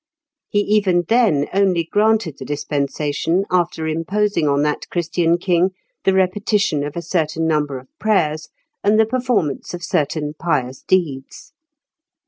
He even then only granted the dispensation after imposing on that Christian king the repetition of a certain number of prayers and the performance of certain pious deeds.